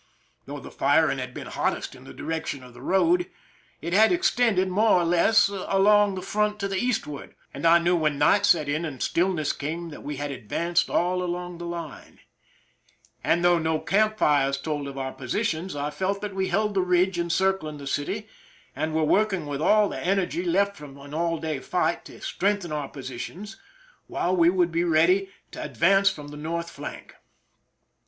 Though the firing had been hottest in the direc tion of the road, it had extended more or less along the front to the eastward, and I knew when night set in and stillness came that we had advanced all along the line ; and though no camp fires told of our 272 PRISON LIFE THE SIEGE positions, I felt that we held the ridge encircling the city, and were working with all the energy left from an all day fight to strengthen our new positions, while we would be ready to advance from the north flank.